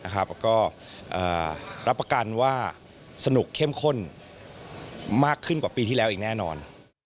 ก็รับประกันว่าสนุกเข้มข้นมากขึ้นกว่าปีที่แล้วอีกแน่นอน